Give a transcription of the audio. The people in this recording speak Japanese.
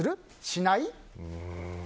しない？